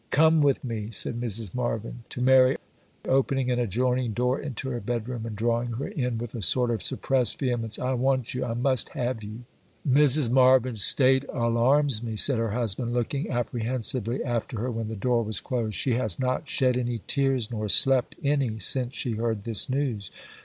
'Come with me!' said Mrs. Marvyn to Mary, opening an adjoining door into her bedroom, and drawing her in with a sort of suppressed vehemence, 'I want you!—I must have you!' 'Mrs. Marvyn's state alarms me,' said her husband, looking apprehensively after her when the door was closed; 'she has not shed any tears nor slept any since she heard this news.